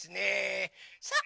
さあ